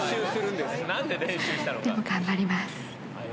でも頑張ります。